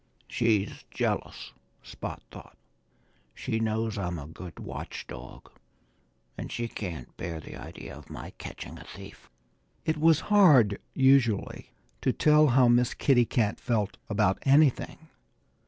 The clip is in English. "She's jealous," Spot thought. "She knows I'm a good watch dog. And she can't bear the idea of my catching a thief." It was hard, usually, to tell how Miss Kitty Cat felt about anything.